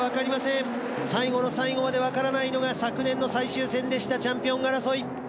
最後の最後までわからないのが昨年の最終戦でしたチャンピオン争い。